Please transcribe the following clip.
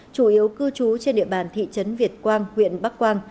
chủ yếu cư trú trên địa bàn thị trấn việt quang huyện bắc quang